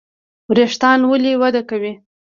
ویښتان ولې وده کوي؟